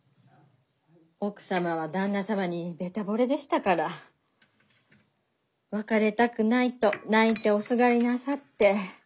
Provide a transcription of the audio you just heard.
奥様は旦那様にべたぼれでしたから別れたくないと泣いておすがりなさって。